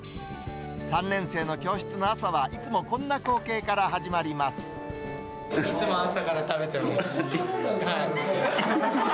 ３年生の教室の朝は、いつもこんいつも朝から食べてます。